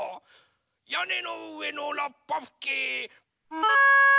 やねのうえのラッパふき！